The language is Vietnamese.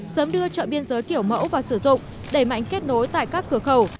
sớm đưa trợ biên giới kiểu mẫu và sử dụng đẩy mạnh kết nối tại các cửa khẩu